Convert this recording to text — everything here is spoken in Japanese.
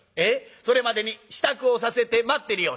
それまでに支度をさせて待ってるように」。